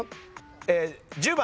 １０番。